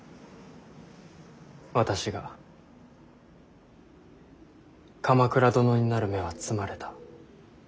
私が鎌倉殿になる芽は摘まれた。